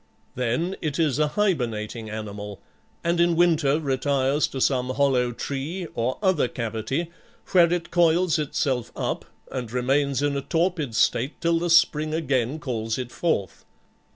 Then it is a hibernating animal, and in winter retires to some hollow tree or other cavity, where it coils itself up and remains in a torpid state till the spring again calls it forth.